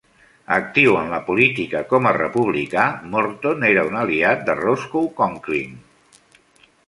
Actiu en la política com a republicà, Morton era un aliat de Roscoe Conkling.